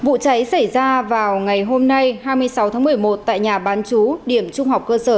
vụ cháy xảy ra vào ngày hôm nay hai mươi sáu tháng một mươi một tại nhà bán chú điểm trung học cơ sở